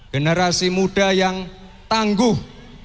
generasi muda yang tangguh